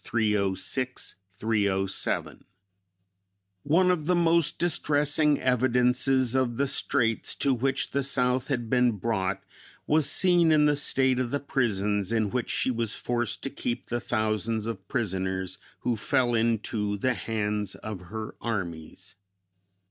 306, 307: "One of the most distressing evidences of the straits to which the South had been brought was seen in the state of the prisons in which she was forced to keep the thousands of prisoners who fell into the hands of her armies.